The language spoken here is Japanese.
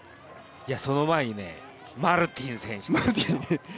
その前にマルティン選手ですよ。